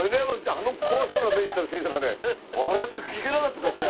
あの怖そうな目をした先生がね笑って弾けなかったんですよ